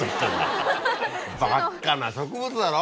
バカな植物だろ？